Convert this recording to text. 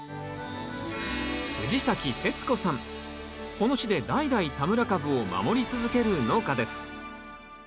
この地で代々田村かぶを守り続ける農家です